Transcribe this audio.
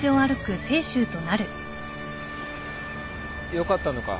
よかったのか？